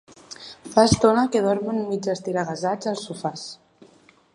Fa estona que dormen mig estiregassats als sofàs.